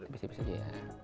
tipis tipis aja ya